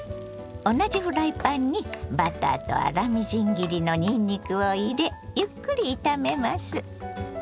同じフライパンにバターと粗みじん切りのにんにくを入れゆっくり炒めます。